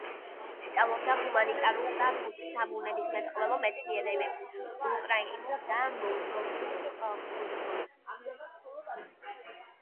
სწავლობდა ჰუმანიტარულ და საბუნებისმეტყველო მეცნიერებებს, უკრაინულ და მოლდოვურ ფოლკლორს.